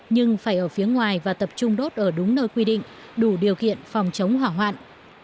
nhưng phải ở phía ngoài và tập trung đốt ở đúng nơi quy định đủ điều kiện phòng chống hỏa hoạn